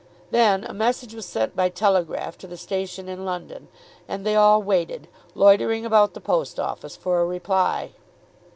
Then a message was sent by telegraph to the station in London, and they all waited, loitering about the post office, for a reply.